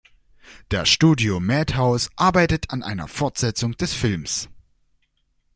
Das Studio Madhouse arbeitet an einer Fortsetzung des Films.